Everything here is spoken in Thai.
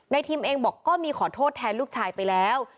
ทิมเองบอกก็มีขอโทษแทนลูกชายไปแล้ว